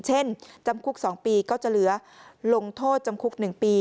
จำคุก๒ปีก็จะเหลือลงโทษจำคุก๑ปี